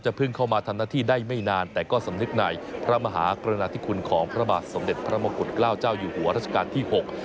เพิ่งเข้ามาทำหน้าที่ได้ไม่นานแต่ก็สำนึกในพระมหากรณาธิคุณของพระบาทสมเด็จพระมงกุฎเกล้าเจ้าอยู่หัวรัชกาลที่หก